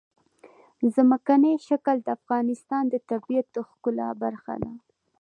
ځمکنی شکل د افغانستان د طبیعت د ښکلا برخه ده.